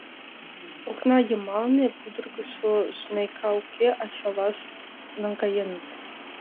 Окна йымалне пудыргышо жнейка уке, ачалаш наҥгаеныт.